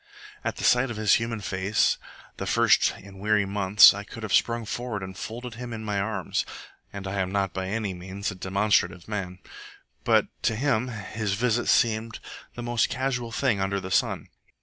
At the sight of his human face, the first in weary months, I could have sprung forward and folded him in my arms (and I am not by any means a demonstrative man); but to him his visit seemed the most casual thing under the sun.